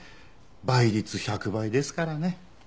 倍率１００倍ですからね。